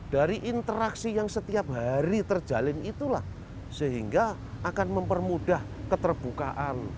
dari interaksi yang setiap hari terjalin itulah sehingga akan mempermudah keterbukaan